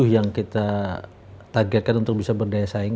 yang kita targetkan untuk bisa berdaya saing